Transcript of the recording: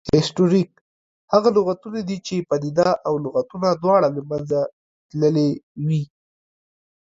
هسټوریک هغه لغتونه دي، چې پدیده او لغتونه دواړه له منځه تللې وي